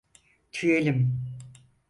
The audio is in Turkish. Tüyelim!